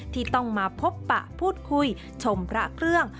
ที่ต้องมาพบปะพูดคุยชมพระเครื่อง